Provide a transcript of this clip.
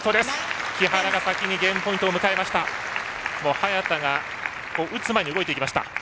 早田が打つ前に動いていきました。